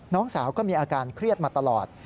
น้องสาวก็มีอาการเครียดมาตลอด